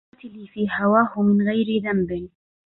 قاتلي في هواه من غير ذنب